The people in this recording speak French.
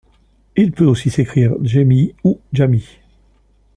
Il peut aussi s'écrire Jaimie ou Jamie.